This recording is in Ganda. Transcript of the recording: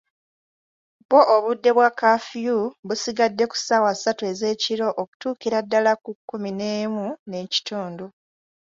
Bwo obudde bwa kafiyu busigadde ku ssaawa ssatu ezeekiro okutuukira ddala ku kkumi n'emu n’ekitundu.